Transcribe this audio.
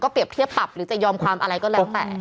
เปรียบเทียบปรับหรือจะยอมความอะไรก็แล้วแต่